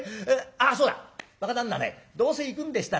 あっそうだ若旦那ねどうせ行くんでしたらね